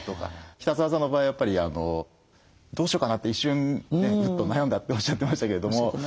北澤さんの場合やっぱりどうしようかなって一瞬ねぐっと悩んだっておっしゃってましたけども。